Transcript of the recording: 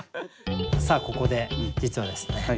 さあここで実はですね